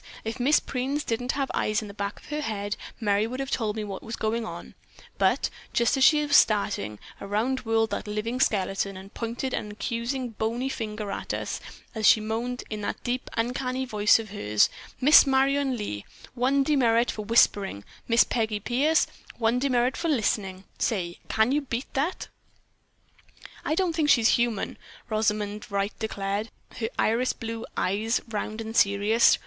If Miss Preens didn't have eyes in the back of her head, Merry would have told me what it was, but, just as she was starting, around whirled that living skeleton and pointed an accusing bony finger at us as she moaned in that deep, uncanny voice of hers: 'Miss Marion Lee, one demerit for whispering. Miss Peggy Pierce, one demerit for listening.' Say, can you beat that?" "I don't think she's human," Rosamond Wright declared, her iris blue eyes, round and serious.